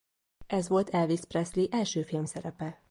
Ez volt Elvis Presley első filmszerepe.